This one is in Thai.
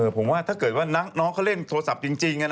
ผมว่าถ้าเกิดว่าน้องเขาเล่นโทรศัพท์จริง